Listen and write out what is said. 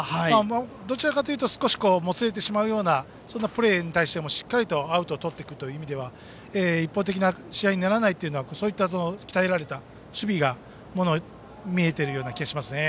どちらかというともつれてしまうようなプレーに対してもしっかりとアウトをとってくるという意味では一方的な試合にならないのはそういった、鍛えられた守備が見えているような気がします。